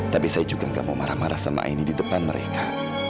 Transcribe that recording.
tapi saya juga gak mau marah marah sama aini di depan mereka